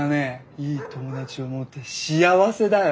いい友達をもって幸せだよ。